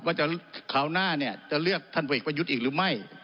คราวหน้าเนี่ยจะเลือกท่านผู้เอกประยุทธ์อีกหรือไม่